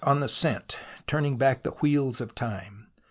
He was hot on the scent, turning back the wheels of time.